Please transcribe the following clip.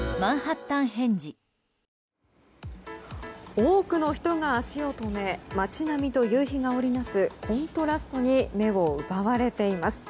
多くの人が足を止め街並みと夕日が織り成すコントラストに目を奪われています。